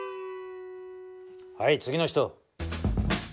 はい次の人。